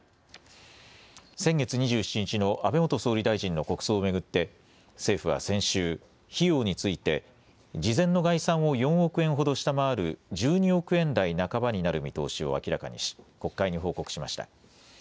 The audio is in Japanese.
先月２７日の安倍元総理大臣の国葬を巡って政府は先週、費用について事前の概算を４億円ほど下回る１２億円台半ばになる見通しを明らかにし国会に報告しました。